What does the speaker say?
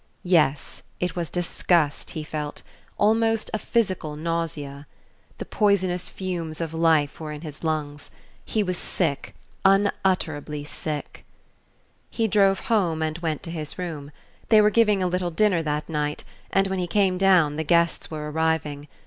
Yes, it was disgust he felt almost a physical nausea. The poisonous fumes of life were in his lungs. He was sick, unutterably sick.... He drove home and went to his room. They were giving a little dinner that night, and when he came down the guests were arriving.